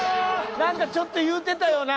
何かちょっと言うてたよな。